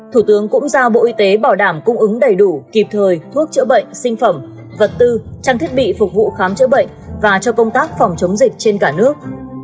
thủ tướng cũng giao bộ y tế bảo đảm cung ứng đầy đủ kịp thời thuốc chữa bệnh sinh phẩm vật tư trang thiết bị phục vụ khám chữa bệnh và cho công tác phòng chống dịch trên cả nước